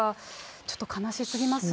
ちょっと悲しすぎますね。